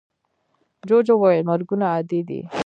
جوجو وویل مرگونه عادي دي.